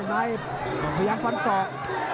มายังฟันสอด